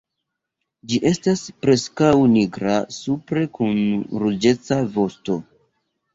Ĝi estas preskaŭ nigra supre kun ruĝeca vosto.